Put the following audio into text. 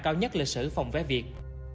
cao nhất lịch sử phòng vé việt